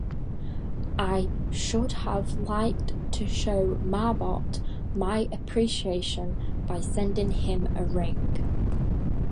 I should have liked to show Marbot my appreciation by sending him a ring.